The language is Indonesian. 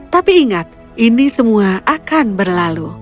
tapi ingat ini semua akan berlalu